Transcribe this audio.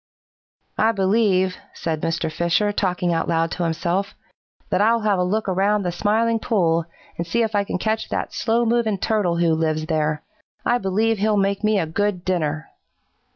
"'I believe,' said Mr. Fisher, talking out loud to himself, 'that I'll have a look around the Smiling Pool and see if I can catch that slow moving Turtle who lives there. I believe he'll make me a good dinner.'